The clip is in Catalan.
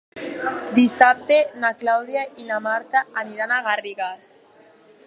Dissabte na Clàudia i na Marta aniran a Garrigàs.